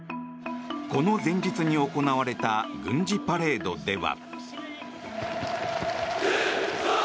この前日に行われた軍事パレードでは。